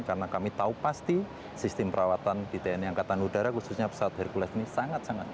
karena kami tahu pasti sistem perawatan di tni angkatan udara khususnya pesawat hercules ini sangat sangat baik